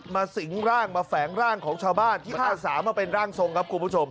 สิงร่างมาแฝงร่างของชาวบ้านที่อาสามาเป็นร่างทรงครับคุณผู้ชม